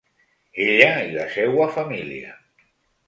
Ella i la seua família.